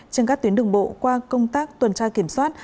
trên các tuyến đường bộ qua công tác tuần tra kiểm soát